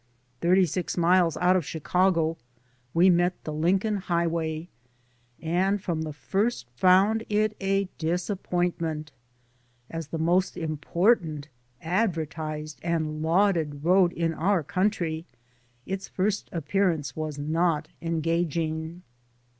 Thirty six miles out of Chicago we met the Lincoln Highway and from the first found it a disappointment. As the most important, adver tised and lauded road in our country, its first ap pearance was not engaging.